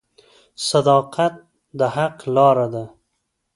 • صداقت د حق لاره ده.